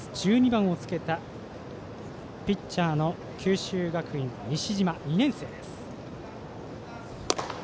１２番をつけたピッチャーの九州学院、西嶋、２年生です。